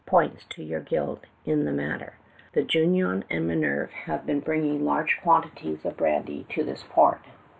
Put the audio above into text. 311 points to your guilt in the matter. The Jtinon and Minerve have been bringing large quantities of brandy to this port.